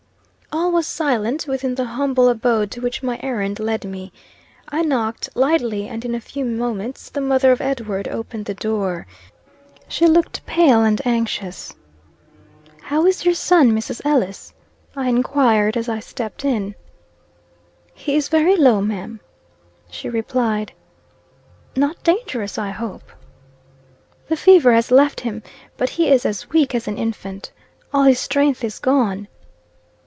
All was silent within the humble abode to which my errand led me. I knocked lightly, and in a few moments the mother of Edward opened the door. She looked pale and anxious. "How is your son, Mrs. Ellis?" I enquired, as I stepped in. "He is very low, ma'am," she replied. "Not dangerous, I hope?" "The fever has left him, but he is as weak as an infant. All his strength is gone."